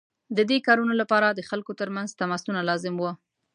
د دې کارونو لپاره د خلکو ترمنځ تماسونه لازم وو.